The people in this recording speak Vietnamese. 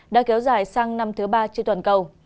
đã kéo dài sang năm thứ ba trên toàn cầu